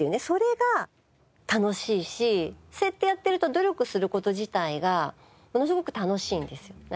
それが楽しいしそうやってやってると努力する事自体がものすごく楽しいんですよ。